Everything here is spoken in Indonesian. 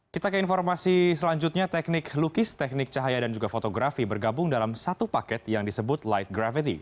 kita ke informasi selanjutnya teknik lukis teknik cahaya dan juga fotografi bergabung dalam satu paket yang disebut light gravity